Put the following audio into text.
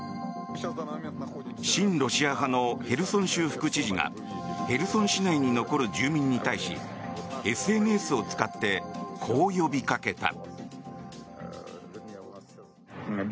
親ロシア派のヘルソン州副知事がヘルソン市内に残る住民に対しＳＮＳを使ってこう呼びかけた。